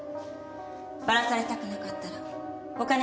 バラされたくなかったらお金ちょうだい。